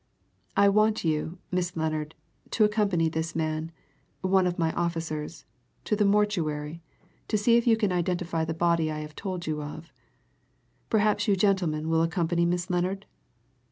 "I want you, Miss Lennard, to accompany this man one of my officers to the mortuary, to see if you can identify the body I have told you of. Perhaps you gentlemen will accompany Miss Lennard?